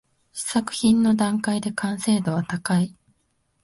試作品の段階で完成度は高い